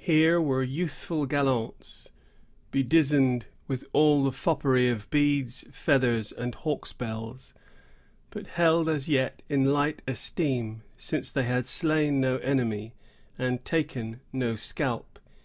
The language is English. Here were youthful gallants, bedizened with all the foppery of beads, feathers, and hawks' bells, but held as yet in light esteem, since they had slain no enemy, and taken no scalp.